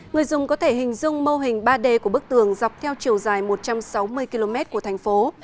người dùng có thể hình dung mô hình ba d của bức tường dọc theo chiều dài một trăm sáu mươi km của thành phố